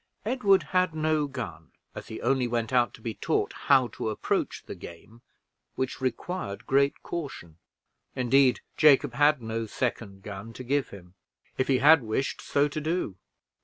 Edward had no gun, as he only went out to be taught how to approach the game, which required great caution; indeed Jacob had no second gun to give him, if he had wished so to do.